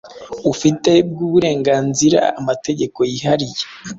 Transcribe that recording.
ufite bwuburenganzira Amategeko yihariye